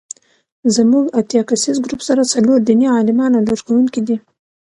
زموږ اتیا کسیز ګروپ سره څلور دیني عالمان او لارښوونکي دي.